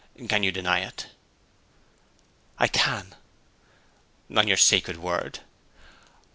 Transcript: Can you deny it!' 'I can.' 'On your sacred word!'